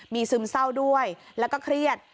มีซึมเศร้าด้วยแล้วก็เครียด